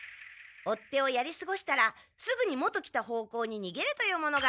追っ手をやりすごしたらすぐに元来た方向に逃げるというものがあるんだ。